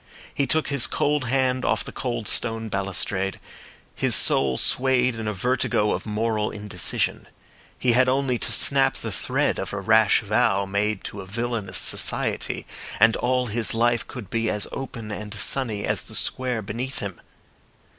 He took his cold hand off the cold stone balustrade. His soul swayed in a vertigo of moral indecision. He had only to snap the thread of a rash vow made to a villainous society, and all his life could be as open and sunny as the square beneath him.